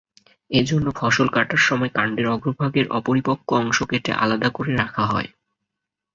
এজন্য ফসল কাটার সময় কান্ডের অগ্রভাগের অপরিপক্ক অংশ কেটে আলাদা করে রাখা হয়।